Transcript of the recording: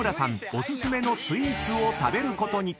お薦めのスイーツを食べることに］